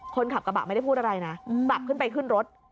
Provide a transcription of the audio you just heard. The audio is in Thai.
คนขับกระบะไม่ได้พูดอะไรนะกลับขึ้นไปขึ้นรถ